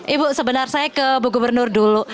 ibu sebenarnya saya ke bu gubernur dulu